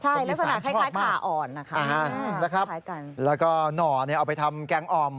ต้องอีสานชอบมากแล้วก็หน่อเอาไปทำแก๊งอ่อม